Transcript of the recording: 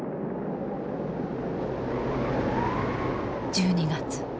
１２月。